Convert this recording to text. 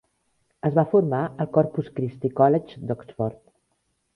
Es va formar al Corpus Christi College d'Oxford.